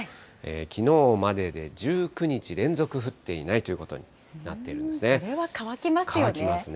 きのうまでで１９日連続降っていないということになっているんでそれは乾きますよね。